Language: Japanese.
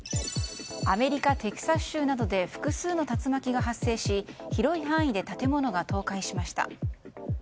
アメリカ・テキサス州などで複数の竜巻が発生し広い範囲で建物が倒壊しました。